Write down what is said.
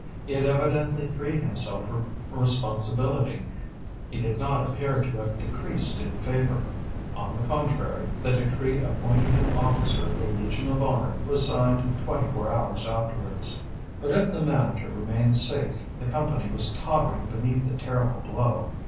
He had evidently freed himself from responsibility; he did not appear to have decreased in favour. On the contrary, the decree appointing him officer of the Legion of Honour was signed twenty four hours afterwards. But if the manager remained safe, the Company was tottering beneath the terrible blow.